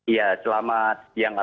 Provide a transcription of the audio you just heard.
iya selamat siang alvin